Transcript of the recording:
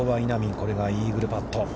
これがイーグルパット。